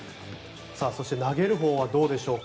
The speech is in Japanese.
そして投げるほうはどうでしょうか。